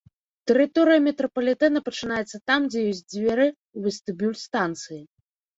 Тэрыторыя метрапалітэна пачынаецца там, дзе ёсць дзверы ў вестыбюль станцыі.